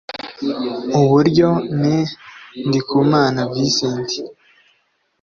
I buryo Me Ndikumana Vincent